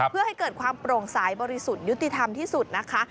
เพื่อให้เกิดความโปร่งสายบริสุทธิ์ยุติธรรมที่สุดนะคะ